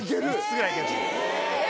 え！